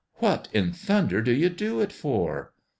" What in thunder do you do it for